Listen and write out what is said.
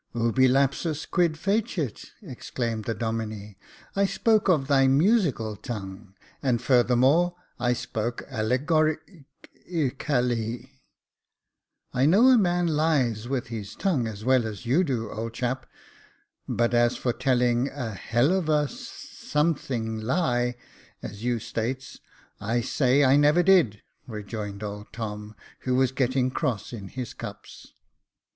Uhi lapsus quid feci,'" exclaimed the Domine j "I spoke of thy musical tongue ; and furthermore, I spoke alle — gori — cal — ly." " I know a man lies with his tongue, as well as you do, old chap ; but as for telling a ke/I of a (something) lie, as you states, I say, I never did," rejoined old Tom, who was getting cross in his cups.